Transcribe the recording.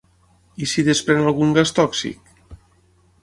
I si desprèn algun gas tòxic?